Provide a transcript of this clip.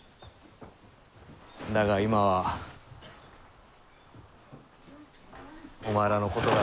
だが今はお前らのことが。